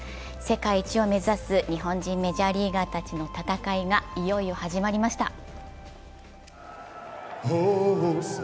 世界一を目指す日本人メジャーリーガーたちの戦いがいよいよ始まりました。